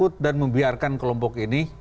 untuk takut dan membiarkan kelompok ini